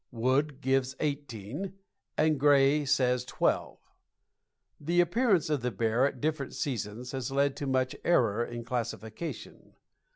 Wood gives eighteen, and Gray says twelve. The appearance of the bear at different seasons has led to much error in classification.